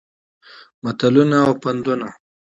متلونه او پندونه